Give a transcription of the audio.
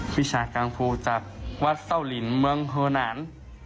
วิชากังภูจากวัดเศร้าลินเมืองเผลอนาน